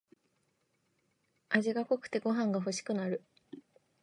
味が濃くてご飯がほしくなる